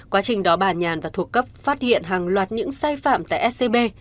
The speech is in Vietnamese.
quá trình đó bà nhàn và thuộc cấp phát hiện hàng loạt những sai phạm tại scb